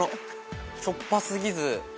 しょっぱ過ぎず。